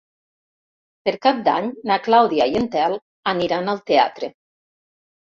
Per Cap d'Any na Clàudia i en Telm aniran al teatre.